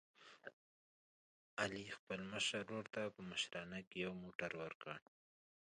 علي خپل مشر ورور ته په مشرانه کې یو موټر ور کړ.